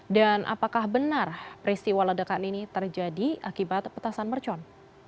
dan apakah benar peristiwa ledakan ini terjadi akibat petasan mercon